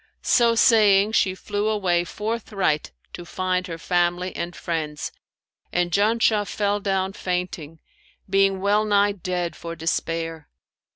So saying, she flew away forthright to find her family and friends, and Janshah fell down fainting, being well nigh dead for despair.